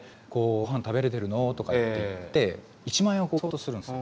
「ごはん食べれてるの？」とかって言って１万円を渡そうとするんすよ。